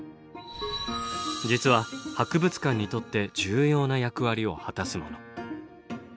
実は博物館にとって重要な役割を果たすもの。